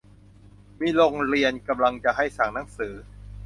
มีโรงเรียนกำลังจะให้สั่งหนังสือ